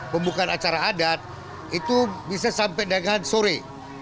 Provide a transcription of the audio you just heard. pembukaan acara adat itu bisa sampai dengan sore